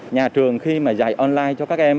nhà trường khi mà dạy online cho các em